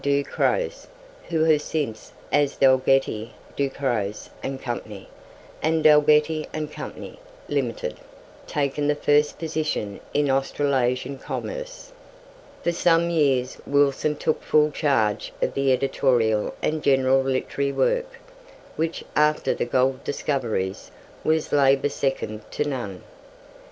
Du Croz, who have since, as Dalgety, Du Croz and Co., and Dalgety and Co. Limited, taken the first position in Australasian commerce. For some years Wilson took full charge of the editorial and general literary work, which, after the gold discoveries, was labour second to none.